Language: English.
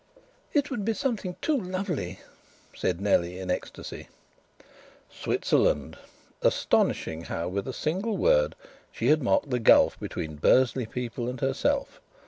"It would be something too lovely!" said Nellie in ecstasy. Switzerland! Astonishing how with a single word she had marked the gulf between Bursley people and herself.